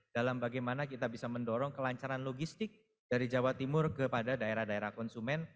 dalam bagaimana kita bisa mendorong kelancaran logistik dari jawa timur kepada daerah daerah konsumen